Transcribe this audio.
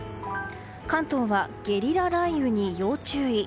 関東はゲリラ雷雨に要注意。